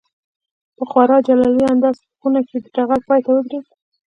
په خورا جلالي انداز په خونه کې د ټغر پای ته ودرېد.